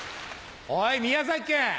おい宮崎県！